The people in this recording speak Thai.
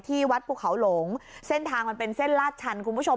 วัดภูเขาหลงเส้นทางมันเป็นเส้นลาดชันคุณผู้ชม